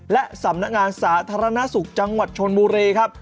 และสำนักงานสาธารณสุขจังหวัดชนบุรีครับ